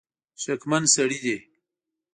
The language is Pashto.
شکمن سړي دي.